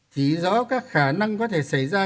chỉ rõ các khả năng có thể xảy ra